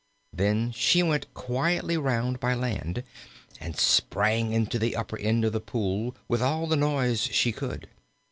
Then she went quietly round by land, and sprang into the upper end of the pool with all the noise she could.